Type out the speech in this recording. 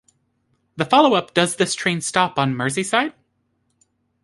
The follow-up Does This Train Stop on Merseyside?